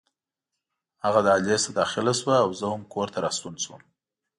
هغه دهلېز ته داخله شوه او زه هم کور ته راستون شوم.